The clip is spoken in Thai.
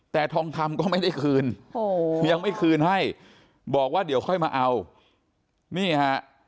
แต่ทองคำก็ไม่ได้คืนโอ้โหยังไม่คืนให้บอกว่าเดี๋ยวค่อยมาเอานี่ฮะ